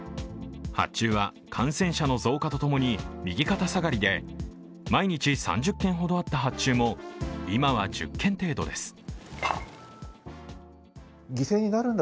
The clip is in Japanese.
発注は感染者の増加とともに右肩下がりで毎日３０件ほどあった発注も今は１０件程度です。